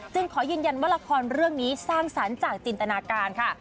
ขอยืนยันว่าละครเรื่องนี้สร้างสรรค์จากจินตนาการค่ะ